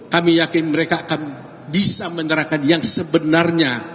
kami yakin mereka akan bisa menyerahkan yang sebenarnya